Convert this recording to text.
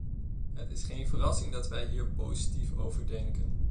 Het is geen verrassing dat wij hier positief over denken.